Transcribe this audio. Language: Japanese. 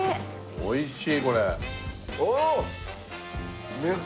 おいしい！